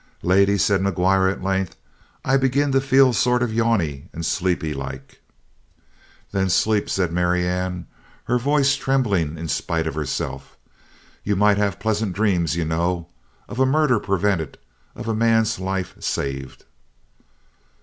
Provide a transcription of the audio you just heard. "Lady," said McGuire at length, "I begin to feel sort of yawny and sleepy, like." "Then sleep," said Marianne, her voice trembling in spite of herself. "You might have pleasant dreams, you know of a murder prevented of a man's life saved!"